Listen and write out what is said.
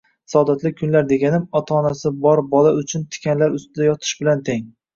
Saodatli kunlar deganim, ota-onasi bor bola uchun tikanlar ustida yotish bilan teng.